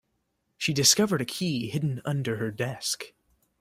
She discovered a key hidden under her desk.